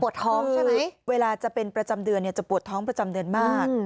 ท้องใช่ไหมเวลาจะเป็นประจำเดือนจะปวดท้องประจำเดือนมาก